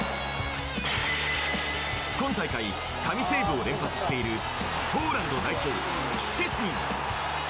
今大会、神セーブを連発しているポーランド代表シュチェスニー。